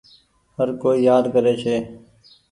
هر ڪوئي يآد ڪري ڇي۔